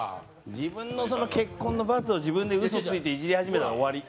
自分の結婚のバツを自分でウソついていじり始めたら終わり。